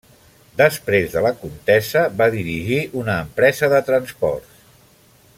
Després de la contesa va dirigir una empresa de transports.